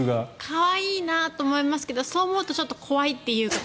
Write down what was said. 可愛いなと思いますけどそう思うとちょっと怖いというか。